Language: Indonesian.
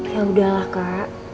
ya udahlah kak